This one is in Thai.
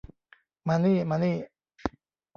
มานี่ มานี่